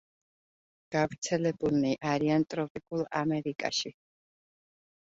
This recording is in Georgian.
გავრცელებულნი არიან ტროპიკულ ამერიკაში.